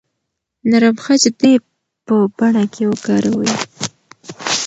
نرم خج دې په بڼه کې وکاروئ.